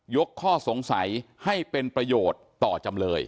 ข้อสงสัยให้เป็นประโยชน์ต่อจำเลย